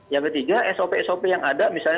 yang ketiga sop sop yang ada misalnya